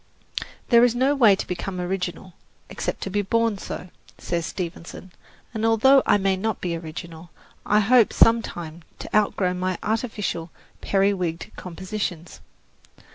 "There is no way to become original, except to be born so," says Stevenson, and although I may not be original, I hope sometime to outgrow my artificial, periwigged compositions.